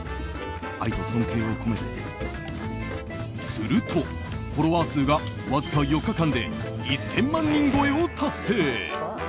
するとフォロワー数がわずか４日間で１０００万人超えを達成。